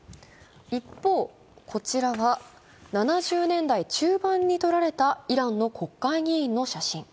一方、こちらは７０年代中盤に撮られたイランの国会議員の写真。